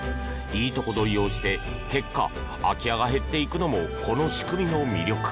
いいとこ取りをして結果、空き家が減っていくのもこの仕組みの魅力。